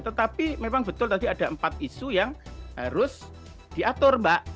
tetapi memang betul tadi ada empat isu yang harus diatur mbak